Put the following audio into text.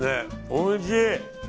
おいしい！